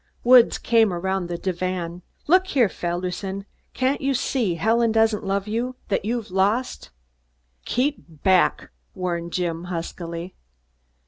Woods came around the divan. "Look here, Felderson! Can't you see Helen doesn't love you, that you've lost ?" "Keep back!" warned Jim huskily.